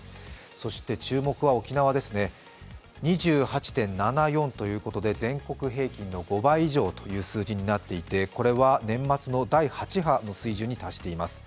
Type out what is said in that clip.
そして注目は沖縄、２８．７４ということで全国平均の５倍以上という数字になっていて、これは年末の第８波の水準に達しています。